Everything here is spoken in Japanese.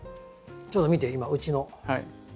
ちょっと見て今うちの。